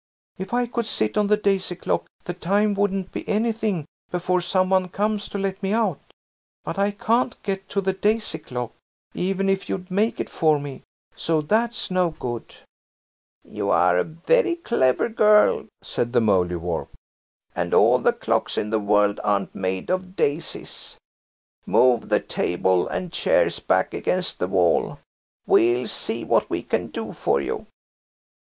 If I could sit on the daisy clock the time wouldn't be anything before some one comes to let me out. But I can't get to the daisy clock, even if you'd make it for me. So that's no good." "You are a very clever girl," said the Mouldiwarp, "and all the clocks in the world aren't made of daisies. Move the table and chairs back against the wall; we'll see what we can do for you."